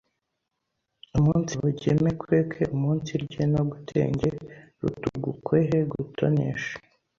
umunsibogeme, kweke, umunsirye no gutenge rutugwukwehe, gutoneshe